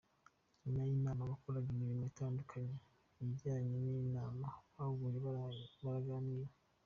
Nyuma y'inama abakoraga imirimo itandukanye ijyanye n'inama bahuye baraganira.